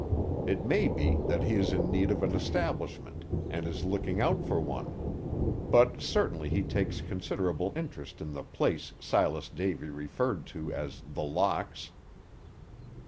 It may be that he is in need of an establishment, and is looking out for one; but certainly he takes considerable interest in the place Silas Davy referred to as The Locks.